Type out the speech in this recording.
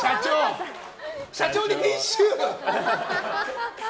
社長にティッシュ！